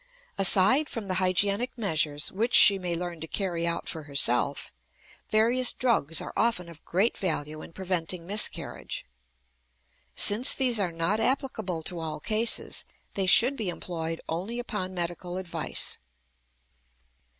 Aside from the hygienic measures which she may learn to carry out for herself, various drugs are often of great value in preventing miscarriage. Since these are not applicable to all cases, they should be employed only upon medical advice.